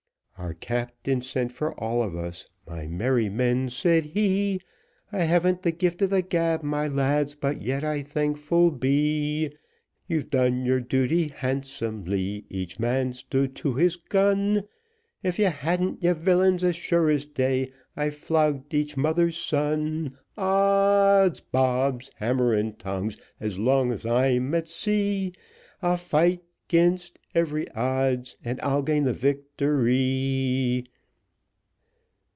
Our captain sent for all of us; my merry men, said he, I havn't the gift of the gab, my lads, but yet I thankful be; You've done your duty handsomely, each man stood to his gun, If you hadn't, you villains, as sure as day, I'd have flogged each mother's son. Odds bobs, hammer and tongs, as long as I'm at sea, I'll fight 'gainst every odds and I'll gain the victory.